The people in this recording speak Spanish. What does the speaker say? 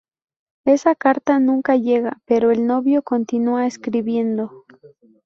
Esa carta nunca llega pero el novio continúa escribiendo.